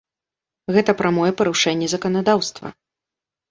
Гэта прамое парушэнне заканадаўства!